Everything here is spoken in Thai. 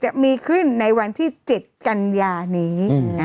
จะมีขึ้นในวันที่๗กันยานี้